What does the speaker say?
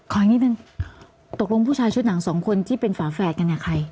อีกนิดนึงตกลงผู้ชายชุดหนังสองคนที่เป็นฝาแฝดกันเนี่ยใคร